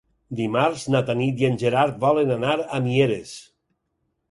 Dimarts na Tanit i en Gerard volen anar a Mieres.